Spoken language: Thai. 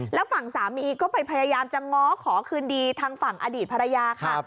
แล้วฝั่งสามีก็ไปพยายามจะง้อขอคืนดีทางฝั่งอดีตภรรยาค่ะ